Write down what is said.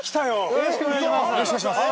よろしくお願いします。